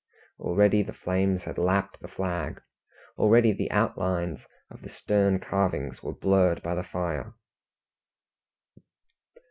Already the flames had lapped the flag, already the outlines of the stern carvings were blurred by the fire.